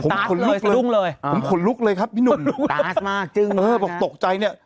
ผมขนลุกเลยผมขนลุกเลยครับพี่หนุ่มมากจึงเออบอกตกใจเนี้ย